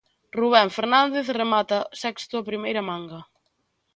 Rubén Fernández remata sexto a primeira manga.